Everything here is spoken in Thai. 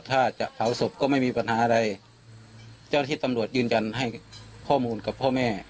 ถ้าจะเผาศพก็ไม่มีปัญหาอะไรเจ้าที่ตำรวจยืนยันให้ข้อมูลกับพ่อแม่